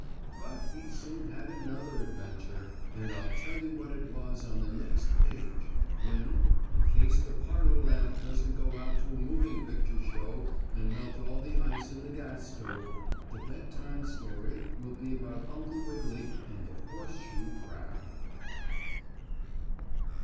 But he soon had another adventure, and I'll tell you what it was on the next page, when, in case the parlor lamp doesn't go out to a moving picture show and melt all the ice in the gas stove, the bedtime story will be about Uncle Wiggily and the horseshoe crab.